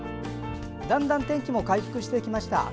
だんだん天気も回復してきました。